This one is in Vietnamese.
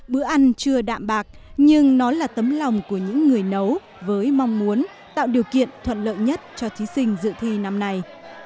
bữa ăn chưa đạm bạc nhưng nó là tấm lòng của những người nấu với mong muốn tạo điều kiện thuận lợi nhất cho thí sinh dự thi năm nay